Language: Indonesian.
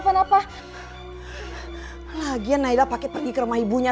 sampai jumpa di video selanjutnya